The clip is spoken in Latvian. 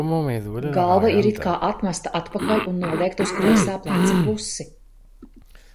Galva ir it kā atmesta atpakaļ un noliekta uz kreisā pleca pusi.